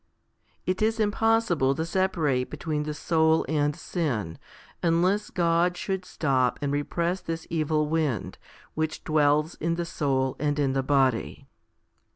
3. It is impossible to separate between the soul and sin, unless God should stop and repress this evil wind, which dwells in the soul and in the body.